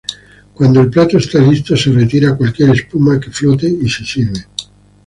Cuando el plato está listo, se retira cualquier espuma que flote y se sirve.